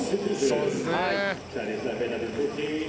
そうですね。